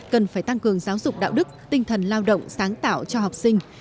cần phải tăng cường giáo dục đạo đức tinh thần lao động sáng tạo cho học sinh